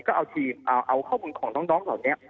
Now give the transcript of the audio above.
ก็เอาข้อมูลของน้องเถ่านี้